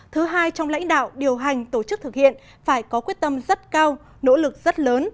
thứ hai trong lãnh đạo điều hành tổ chức thực hiện phải có quyết tâm rất cao nỗ lực rất lớn